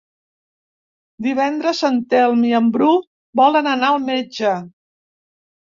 Divendres en Telm i en Bru volen anar al metge.